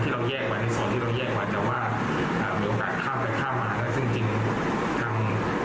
ที่๒คือมีการกั้นกัน